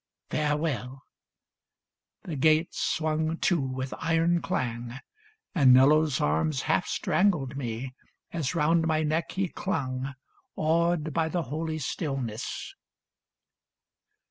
Farewell !" The gate Swung to with iron clang, and Nello's arms Half strangled me as round my neck he clung. Awed by the holy stillness.